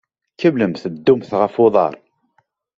Kemmlemt ddumt ɣef uḍaṛ.